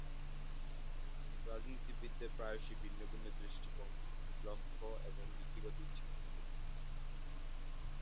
রাজনীতিবিদদের প্রায়শই ভিন্ন ভিন্ন দৃষ্টিভঙ্গি, লক্ষ্য এবং নীতিগত ইচ্ছা থাকে।